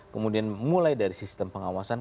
kemudian mulai dari sistem pengawasan